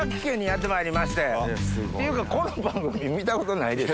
っていうかこの番組見たことないでしょ？